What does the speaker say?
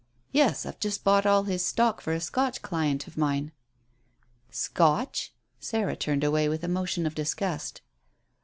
"Yes; I've just bought all his stock for a Scotch client of mine." "Scotch?" Sarah turned away with a motion of disgust.